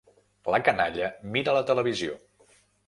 La canalla mira la televisió.